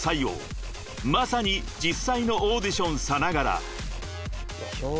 ［まさに実際のオーディションさながら］